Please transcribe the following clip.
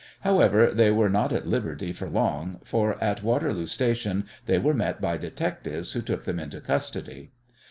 However, they were not at liberty for long, for at Waterloo Station they were met by detectives who took them into custody.